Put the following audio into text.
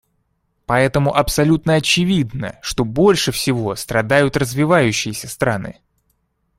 Поэтому абсолютно очевидно, что больше всего страдают развивающиеся страны.